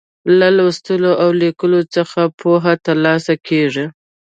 له لوستلو او ليکلو څخه يې پوهه تر لاسه کیږي.